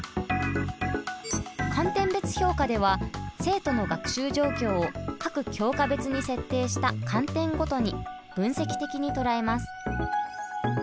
観点別評価では生徒の学習状況を各教科別に設定した観点ごとに分析的に捉えます。